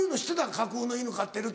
架空の犬飼ってるって。